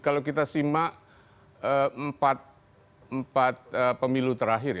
kalau kita simak empat pemilu terakhir